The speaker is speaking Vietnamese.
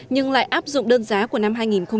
nhưng lại áp dụng đơn giá của năm hai nghìn sáu